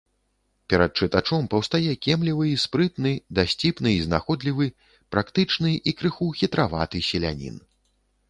Перад чытачом паўстае кемлівы і спрытны, дасціпны і знаходлівы, практычны і крыху хітраваты селянін.